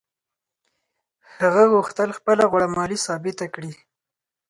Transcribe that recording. هغه غوښتل خپله غوړه مالي ثابته کړي.